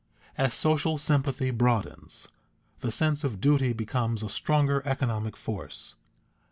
As social sympathy broadens, the sense of duty becomes a stronger economic force.